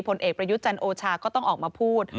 ผลเอกประยุทธ์จันโอชาก็ต้องออกมาพูด